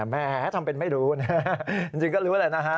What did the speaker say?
แหมทำเป็นไม่รู้นะจริงก็รู้แหละนะฮะ